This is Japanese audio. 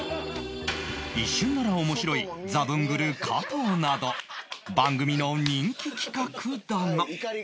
一瞬なら面白いザブングル加藤など番組の人気企画だが